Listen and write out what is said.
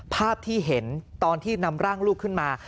ภาพที่เห็นตอนที่นำร่างลูกขึ้นมา